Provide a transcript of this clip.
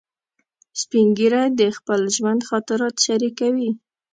سپین ږیری د خپل ژوند خاطرات شریکوي